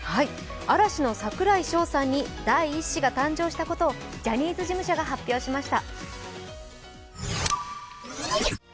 嵐の櫻井翔さんに第１子が誕生したことをジャニーズ事務所が発表しました。